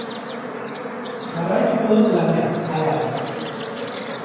Jarraituko dut lanean, hala ere.